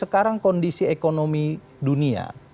karena kondisi ekonomi dunia